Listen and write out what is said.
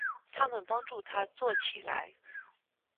他们帮助她坐起来。